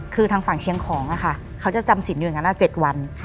คือทางฝั่งเชียงของเขาจะจำสินอยู่อย่างนั้น๗วัน